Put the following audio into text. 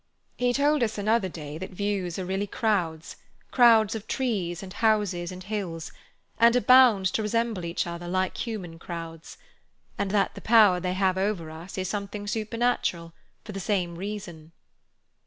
"He told us another day that views are really crowds—crowds of trees and houses and hills—and are bound to resemble each other, like human crowds—and that the power they have over us is sometimes supernatural, for the same reason."